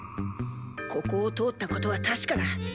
ここを通ったことはたしかだ。